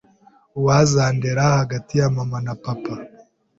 uwazandera hagati ya mama na papa